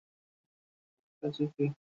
সেটার কি দরকার আছে?